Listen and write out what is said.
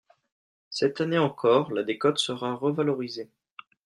Cette année encore, la décote sera revalorisée.